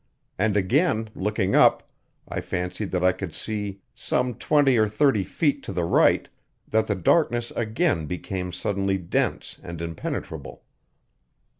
And, again looking up, I fancied that I could see, some twenty or thirty feet to the right, that the darkness again became suddenly dense and impenetrable.